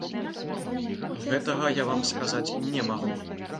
Гэтага я вам сказаць не магу.